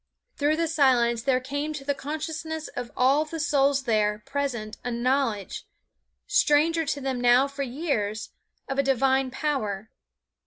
Through the silence there came to the consciousness of all the souls there present a knowledge, stranger to them now for years, of a Divine Power.